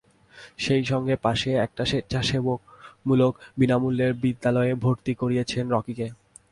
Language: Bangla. সেই সঙ্গে পাশেই একটি স্বেচ্ছাসেবামূলক বিনা মূল্যের বিদ্যালয়ে ভর্তি করিয়েছেন রকিকে।